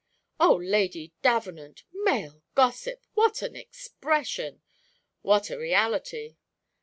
"O, Lady Davenant! male gossip what an expression!" "What a reality!"